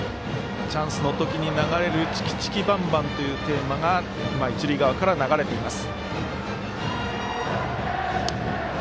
チャンスのときに流れる「チキチキバンバン」というテーマが一塁側から流れています。